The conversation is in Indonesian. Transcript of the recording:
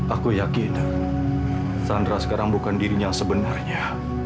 aku yakin sandra sekarang bukan dirinya sebenarnya